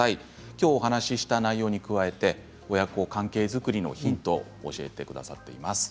今日お話した内容に加えて親子関係作りのヒントを教えてくださっています。